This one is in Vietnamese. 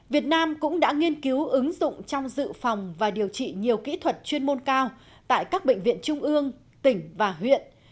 việt nam cũng đã nghiên cứu ứng dụng trong dự phòng và điều trị nhiều kỹ thuật chuyên môn cao tại các bệnh viện trung ương tỉnh và huyện